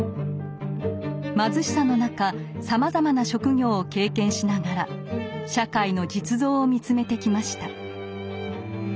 貧しさの中さまざまな職業を経験しながら社会の実像を見つめてきました。